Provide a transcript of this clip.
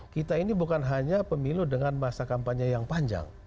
kita ini bukan hanya pemilu dengan masa kampanye yang panjang